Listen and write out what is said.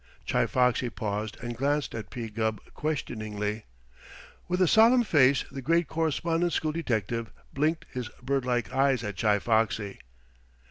Chi Foxy paused and glanced at P. Gubb questioningly. With a solemn face the great Correspondence School detective blinked his bird like eyes at Chi Foxy.